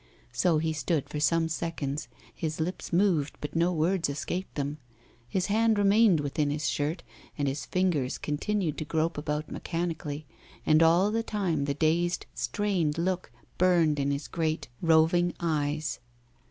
So he stood for some seconds. His lips moved, but no words escaped them. His hand remained within his shirt, and his fingers continued to grope about mechanically. And all the time the dazed, strained look burned in his great, roving eyes.